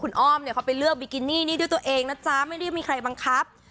คุณอ้อมเนี่ยเขาไปเลือกบิกินี่นี่ด้วยตัวเองนะจ๊ะไม่ได้มีใครบังคับ